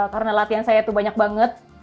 karena latihan saya itu banyak banget